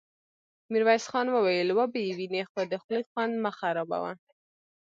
ميرويس خان وويل: وبه يې وينې، خو د خولې خوند مه خرابوه!